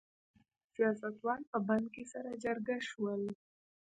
سیاستوال په بن کې سره جرګه شول.